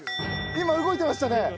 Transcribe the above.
今動いてましたね。